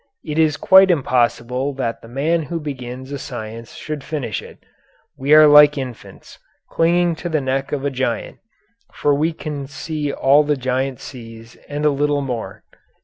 It is quite impossible that the man who begins a science should finish it. We are like infants, clinging to the neck of a giant; for we can see all the giant sees and a little more."